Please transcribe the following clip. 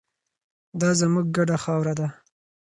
دا زموږ ګډه خاوره ده.